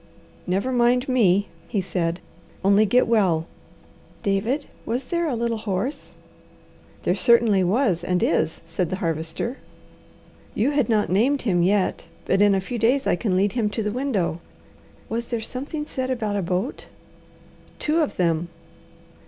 "Never mind me!" he said. "Only get well." "David, was there a little horse?" "There certainly was and is," said the Harvester. "You had not named him yet, but in a few days I can lead him to the window." "Was there something said about a boat?" "Two of them."